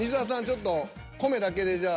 ちょっと米だけでじゃあ。